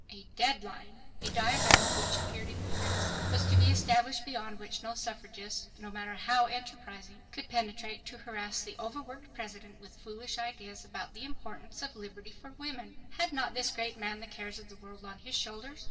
A "deadline," a diagram of which appeared in the press, was to be established beyond which no suffragist, no matter how enterprising, could penetrate to harass the over worked President with foolish ideas about the importance of liberty for women. Had not this great man the cares of the world on his shoulders?